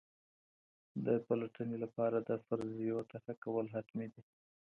د پلټني لپاره د فرضیو طرحه کول حتمي دي.